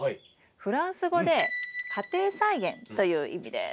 フランス語で「家庭菜園」という意味です。